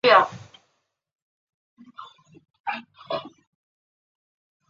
希腊和丹麦的狄奥多拉公主是希腊未代国王康斯坦丁二世和王后的幼女。